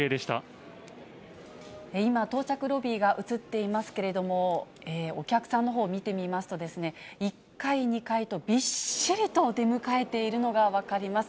今、到着ロビーが映っていますけれども、お客さんのほう見てみますと、１階、２階とびっしりと出迎えているのが分かります。